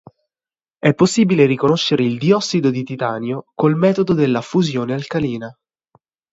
È possibile riconoscere il diossido di titanio col metodo della fusione alcalina.